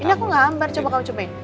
ini aku gak hambar coba kamu cobain